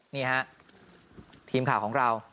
นี่ฮะทีมข่าวของเรา